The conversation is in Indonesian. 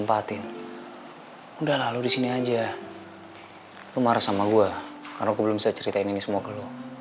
mas kalau untuk kepentingan sekolah